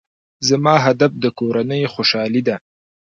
زما هدف د کورنۍ خوشحالي ده.